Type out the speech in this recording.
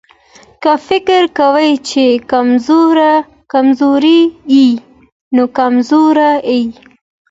که فکر کوې چې کمزوری يې نو کمزوری يې.